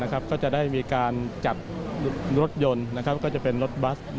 ก็จะได้มีการจัดรถยนต์ก็จะเป็นรถบัส